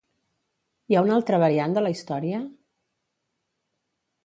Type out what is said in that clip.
Hi ha una altra variant de la història?